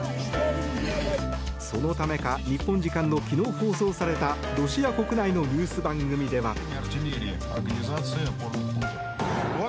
そのためか日本時間の昨日放送されたロシア国内のニュース番組では。